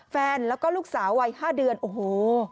แฟนแล้วก็ลูกสาววัย๕เดือนโอ้โห